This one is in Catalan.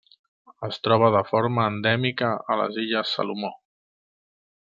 Es troba de forma endèmica a les Illes Salomó.